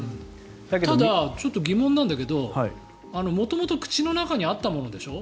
ただ、疑問なんだけど元々口の中にあったものでしょ。